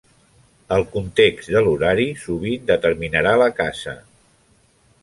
El context de l'horari sovint determinarà la casa.